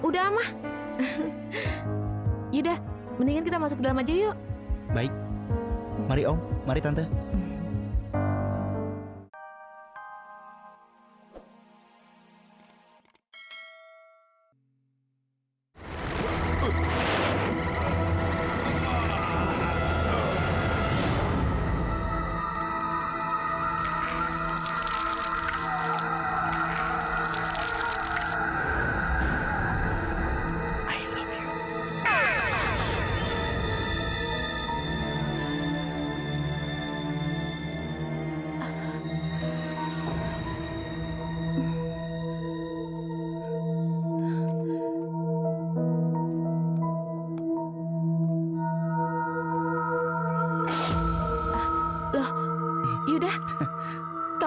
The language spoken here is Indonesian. sampai jumpa di video selanjutnya